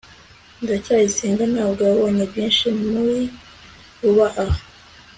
ndacyayisenga ntabwo yabonye byinshi muri j vuba aha